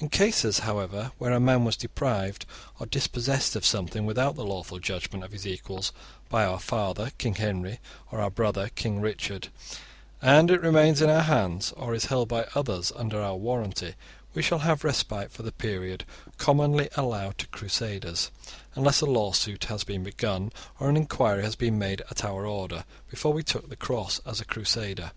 In cases, however, where a man was deprived or dispossessed of something without the lawful judgement of his equals by our father King Henry or our brother King Richard, and it remains in our hands or is held by others under our warranty, we shall have respite for the period commonly allowed to Crusaders, unless a lawsuit had been begun, or an enquiry had been made at our order, before we took the Cross as a Crusader.